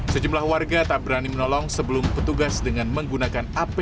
sejumlah warga tak berani menolong sebelum petugas dengan menggunakan ap